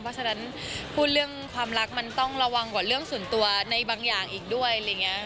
เพราะฉะนั้นพูดเรื่องความรักมันต้องระวังกว่าเรื่องส่วนตัวในบางอย่างอีกด้วยอะไรอย่างนี้